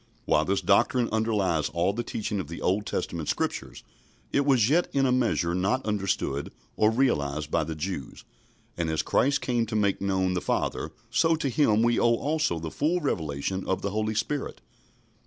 While this doctrine underlies all the teaching of the Old Testament Scriptures, it was yet in a measure not understood or realised by the Jews, and as Christ came to make known the Father, so to Him we owe also the full revelation of the Holy Spirit.